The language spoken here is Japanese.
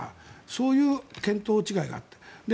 そういう見当違いがあった。